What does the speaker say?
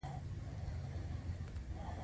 یووالی مو غواړم پښتنو.